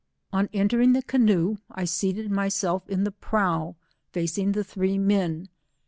On entering the canoe, I seated myself in the prow facing the three men.